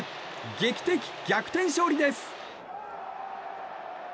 劇的逆転勝利です！